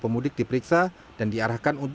kepolisian kampung jawa barat